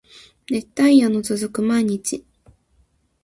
熱帯夜の続く毎日